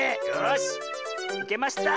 よし。